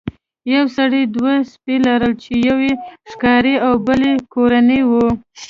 یو سړي دوه سپي لرل چې یو یې ښکاري او بل یې کورنی و.